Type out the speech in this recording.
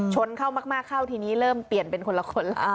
ชนเข้ามากเข้าทีนี้เริ่มเปลี่ยนเป็นคนละคนแล้ว